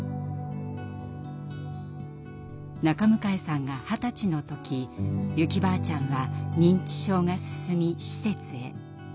中迎さんが二十歳の時ユキばあちゃんは認知症が進み施設へ。